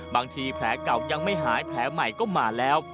แผลเก่ายังไม่หายแผลใหม่ก็มาแล้ว